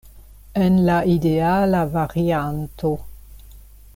En la ideala varianto.